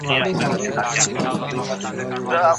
د اوبو چښل د بدن د پوره تندي او ستړیا مخه نیسي.